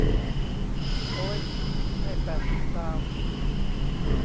โอ๊ย ให้แปดสิบดาว